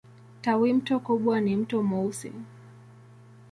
Tawimto kubwa ni Mto Mweusi.